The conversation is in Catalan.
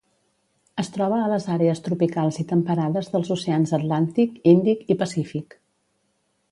Es troba a les àrees tropicals i temperades dels oceans Atlàntic, Índic i Pacífic.